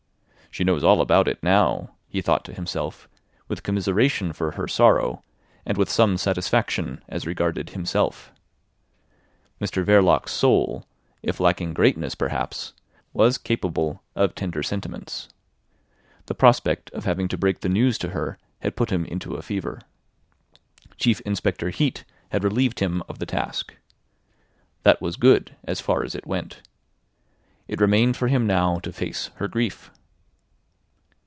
"She knows all about it now," he thought to himself with commiseration for her sorrow and with some satisfaction as regarded himself. Mr Verloc's soul, if lacking greatness perhaps, was capable of tender sentiments. The prospect of having to break the news to her had put him into a fever. Chief Inspector Heat had relieved him of the task. That was good as far as it went. It remained for him now to face her grief.